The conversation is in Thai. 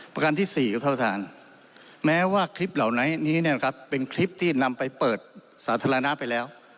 ประกันที่สี่ครับท่านแม้ว่าคลิปเหล่านี้เนี่ยครับเป็นคลิปที่นำไปเปิดสาธารณะไปแล้ว